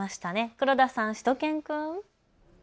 黒田さん、しゅと犬くん。